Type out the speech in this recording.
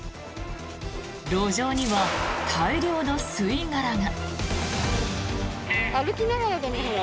路上には大量の吸い殻が。